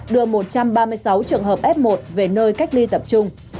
đưa một trăm ba mươi sáu trường hợp f một về nơi cách ly tập trung